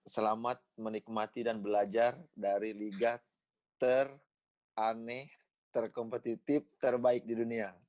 selamat menikmati dan belajar dari liga teraneh terkompetitif terbaik di dunia